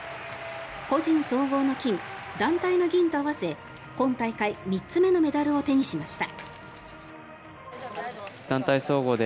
個人総合の金団体の銀と合わせ今大会３つ目のメダルを手にしました。